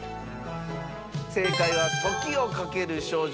正解は『時をかける少女』。